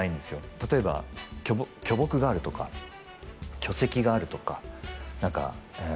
たとえば巨木があるとか巨石があるとか何かええ